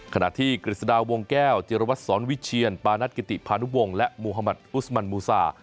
ขณะที่กฤษฎาวงแก้วจิรวัตรสอนวิเชียนปานัทกิติพานุวงศ์และมูฮามัติอุสมันมูซา